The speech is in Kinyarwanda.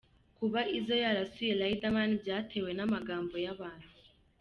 Kuba Izzo yarasuye Riderman, byatewe n’amagambo y’abantu.